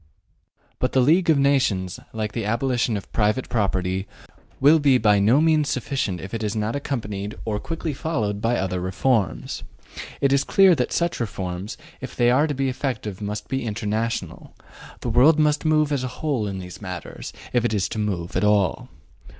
But the League of Nations, like the abolition of private property, will be by no means sufficient if it is not accompanied or quickly followed by other reforms. It is clear that such reforms, if they are to be effective, must be international; the world must move as a whole in these matters, if it is to move at all.